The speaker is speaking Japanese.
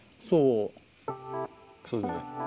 そう。